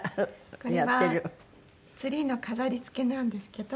これはツリーの飾り付けなんですけど。